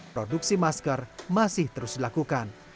produksi masker masih terus dilakukan